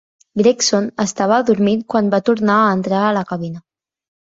Gregson estava adormit quan va tornar a entrar a la cabina.